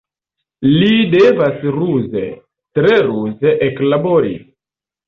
Li devas ruze, tre ruze eklabori.